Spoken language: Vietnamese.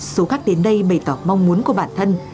số khách đến đây bày tỏ mong muốn của bản thân